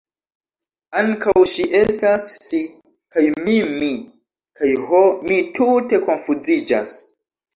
Ankaŭ ŝi estas si, kaj mi mi, kaj... ho, mi tute konfuziĝas!